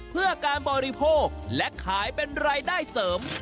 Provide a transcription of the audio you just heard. เพื่อการบริโภคและขายเป็นรายได้เสริม